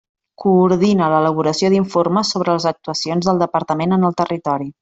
Coordina l'elaboració d'informes sobre les actuacions del Departament en el territori.